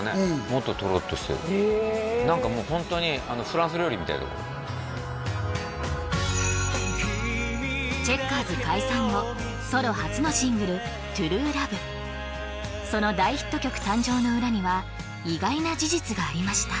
もっとトロッとしてるへえ何かもうホントにフランス料理みたいでチェッカーズ解散後ソロ初のシングル「ＴＲＵＥＬＯＶＥ」その大ヒット曲誕生の裏には意外な事実がありました